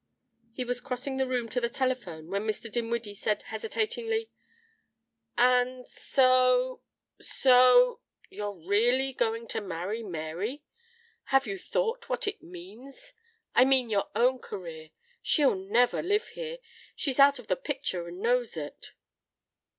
He was crossing the room to the telephone when Mr. Dinwiddie said hesitatingly: "And so so you're really going to marry Mary? Have you thought what it means? I mean your own career. She'll never live here she's out of the picture and knows it."